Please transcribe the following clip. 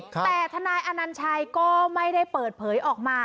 แต่ทนายอนัญชัยก็ไม่ได้เปิดเผยออกมา